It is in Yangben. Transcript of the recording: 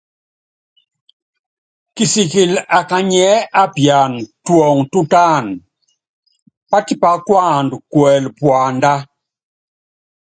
Kisikilɛ akanyiɛ́ apiana tuɔŋɔ tútánu, pátípá kuanda kuɛlɛ puandá.